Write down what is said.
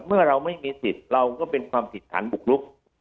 เมื่อเราไม่มีสิทธิ์เราก็เป็นความผิดฐานบุกลุก